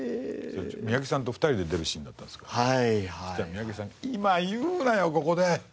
三宅さんと２人で出るシーンだったんですけどそしたら三宅さん「今言うなよここで」